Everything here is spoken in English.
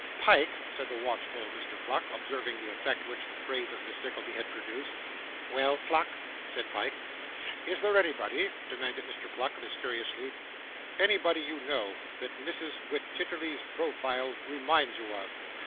'Pyke,' said the watchful Mr. Pluck, observing the effect which the praise of Miss Nickleby had produced. 'Well, Pluck,' said Pyke. 'Is there anybody,' demanded Mr. Pluck, mysteriously, 'anybody you know, that Mrs. Wititterly's profile reminds you of?